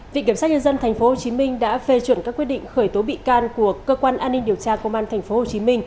viện kiểm sát nhân dân tp hcm đã phê chuẩn các quyết định khởi tố bị can của cơ quan an ninh điều tra công an tp hcm